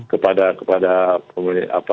kepada pemilik houthi yang malah